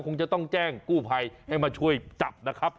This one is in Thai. คงจะต้องแจ้งกู้ภัยให้มาช่วยจับนะครับ